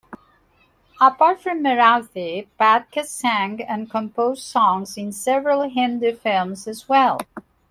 Apart from Marathi, Phadke sang and composed songs in several Hindi films as well.